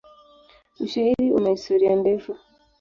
Ushairi una historia ndefu.